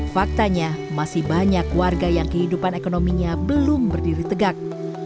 faktanya masih banyak warga yang kehidupan ekonominya belum berdiri tegak